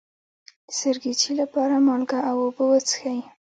د سرګیچي لپاره مالګه او اوبه وڅښئ